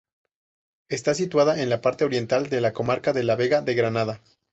Está situada en la parte oriental de la comarca de la Vega de Granada.